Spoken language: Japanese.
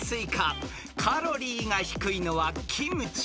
［カロリーが低いのはキムチ？